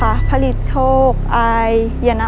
รับทุนไปต่อชีวิตสุดหนึ่งล้อนบอส